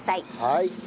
はい。